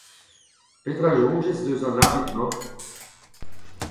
Petra a soñjez eus an abid-mañ ?